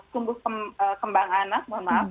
tumbuh kembang anak